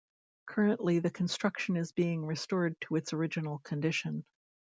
Currently, the construction is being restored to its original condition.